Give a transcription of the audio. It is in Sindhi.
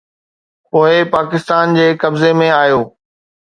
پوءِ پاڪستان جي قبضي ۾ آيو